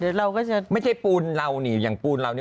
เดี๋ยวเราก็จะไม่ใช่ปูนเรานี่อย่างปูนเรานี่